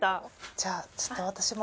じゃあちょっと私も。